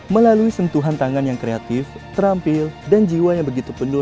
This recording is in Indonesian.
melalui sentuhan tangan yang kreatif terampil dan jiwa yang begitu penuh